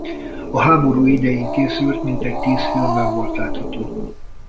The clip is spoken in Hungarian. A háború idején készült mintegy tíz filmben volt látható.